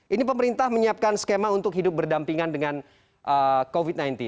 ini pemerintah menyiapkan skema untuk hidup berdampingan dengan covid sembilan belas